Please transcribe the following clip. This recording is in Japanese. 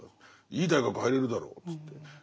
「いい大学入れるだろ」っつって。